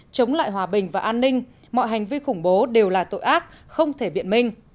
chống lại hòa bình và an ninh mọi hành vi khủng bố đều là tội ác không thể biện minh